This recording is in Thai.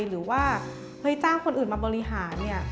หรือว่าเจ้าคนอื่นมาบริหาร